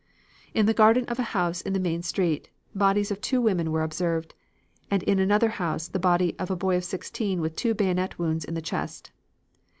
"In the garden of a house in the main street, bodies of two women were observed, and in another house, the body of a boy of sixteen with two bayonet wounds in the chest.